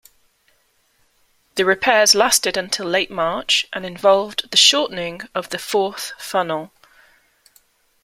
The repairs lasted until late March, and involved the shortening of the fourth funnel.